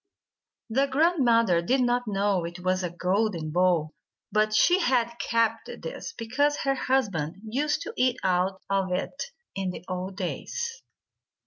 The grandmother did not know it was a golden bowl, but she had kept this because her husband used to eat out of it in the old days.